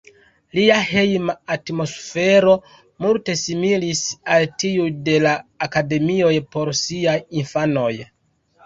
Lia hejma atmosfero multe similis al tiuj de la akademioj por siaj infanoj.